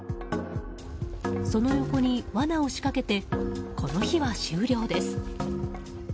その横にわなを仕掛けてこの日は終了です。